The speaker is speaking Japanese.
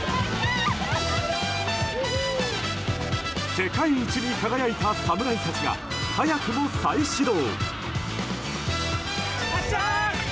世界一に輝いた侍たちが早くも再始動。